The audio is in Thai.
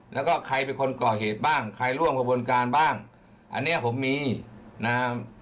แล้วก็ใครเป็นคนก่อเหตุบ้างใครร่วมกระบวนการบ้างอันเนี้ยผมมีนะฮะ